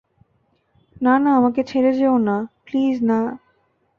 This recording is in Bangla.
না, না, আমাকে ছেড়ে যেওনা, প্লিজ, না!